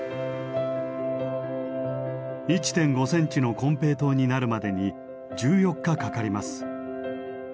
１．５センチの金平糖になるまでに１４日かかります。